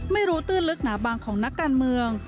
ไม่รู้ตื้อนลึกหนาบางของนักการเมือง